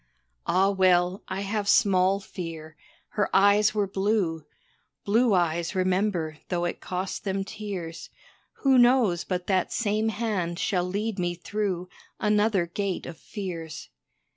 Ah well, I have small fear her eyes were blue; Blue eyes remember though it cost them tears. Who knows but that same hand shall lead me through Another Gate of Fears.